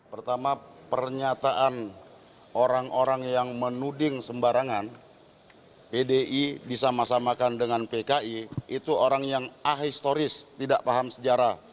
pertama pernyataan orang orang yang menuding sembarangan pdi disama samakan dengan pki itu orang yang ahistoris tidak paham sejarah